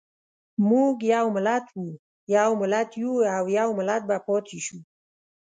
موږ یو ملت وو، یو ملت یو او يو ملت به پاتې شو.